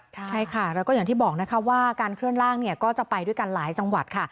ใช่ค่ะแล้วก็อย่างที่บอกนะคะว่าการเคลื่อนล่างเนี่ยก็จะไปด้วยกันหลายจังหวัดค่ะ